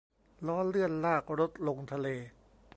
ล้อเลื่อนลากรถลงทะเล